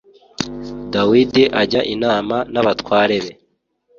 dawidi ajya inama n’ abatware be.